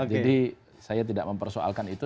jadi saya tidak mempersoalkan itu